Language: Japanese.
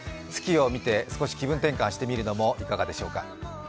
月を見て、少し気分転換してみるのもいかがでしょうか。